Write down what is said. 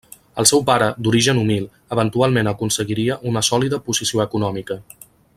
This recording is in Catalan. El seu pare, d'origen humil, eventualment aconseguiria una sòlida posició econòmica.